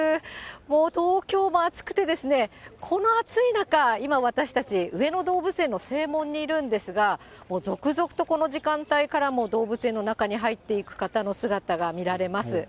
もう東京も暑くてですね、この暑い中、今、私たち、上野動物園の正門にいるんですが、続々とこの時間帯からも動物園の中に入っていく方の姿が見られます。